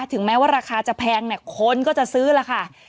ถึงแม้ว่าราคาจะแพงเนี่ยคนก็จะซื้อล่ะค่ะ